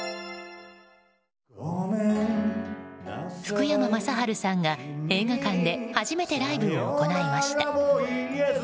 福山雅治さんが映画館で初めてライブを行いました。